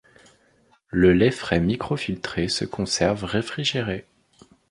Le lait frais microfiltré se conserve réfrigéré.